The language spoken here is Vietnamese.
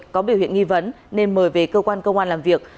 có biểu hiện nghi vấn nên mời về cơ quan công an làm việc